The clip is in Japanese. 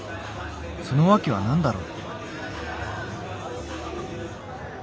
その訳は何だろう？